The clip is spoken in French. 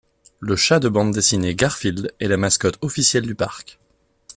Le chat de bande dessinée Garfield est la mascotte officielle du parc.